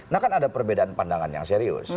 nah kan ada perbedaan pandangan yang serius